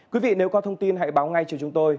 quý vị nếu có thông tin hãy báo ngay cho chúng tôi